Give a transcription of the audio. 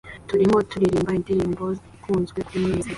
Turimo turirimba indirimbo ikunzwe kuri mwese